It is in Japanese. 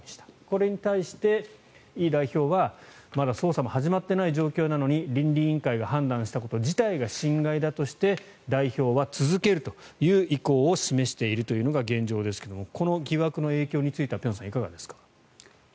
これに対してイ代表はまだ捜査も始まっていない状況なのに倫理委員会が判断したこと自体が侵害だとして代表は続けるという意向を示しているというのが現状ですけどもこの疑惑の影響については辺さん、いかがですか。